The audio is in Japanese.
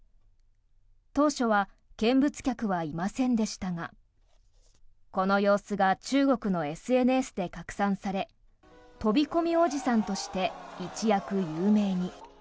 当初は見物客はいませんでしたがこの様子が中国のＳＮＳで拡散され飛び込みおじさんとして一躍有名に。